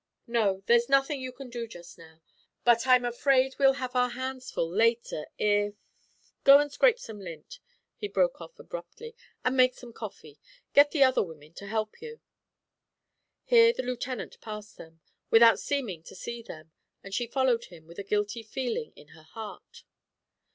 "No; there's nothing you can do just now, but I'm afraid we'll have our hands full later if Go and scrape some lint," he broke off abruptly, "and make some coffee. Get the other women to help you." Here the Lieutenant passed them, without seeming to see them, and she followed him with a guilty feeling in her heart.